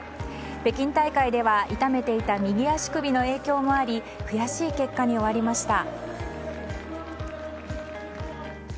北京大会では痛めていた右足首の影響もあり悔しい結果に終わりました。